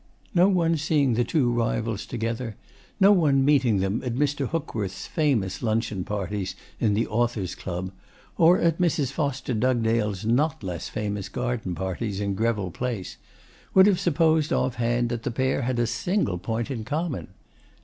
No one seeing the two rivals together, no one meeting them at Mr. Hookworth's famous luncheon parties in the Authors' Club, or at Mrs. Foster Dugdale's not less famous garden parties in Greville Place, would have supposed off hand that the pair had a single point in common.